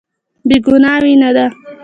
بې ګناه وينه ده.